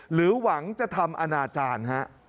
หรือหวังจะทำอนาจารย์ฮะ